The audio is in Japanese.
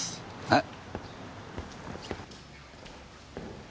はい。